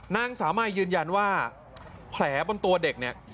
นางสาวมายยืนยันว่าแผลบนตัวเด็กเนี่ย